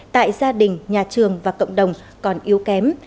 tại gia đình nhà trường và cộng đồng còn yếu kém